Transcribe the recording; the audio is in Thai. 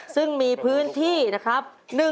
ซึ่งมีพื้นที่นะครับ